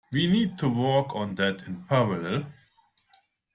We need to work on that in parallel.